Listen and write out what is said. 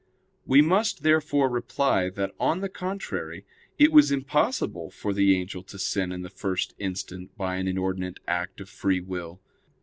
We must therefore reply that, on the contrary, it was impossible for the angel to sin in the first instant by an inordinate act of free will.